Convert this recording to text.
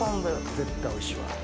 絶対おいしいわ。